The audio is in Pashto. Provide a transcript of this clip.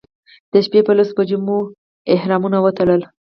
د شپې په لسو بجو مو احرامونه وتړل.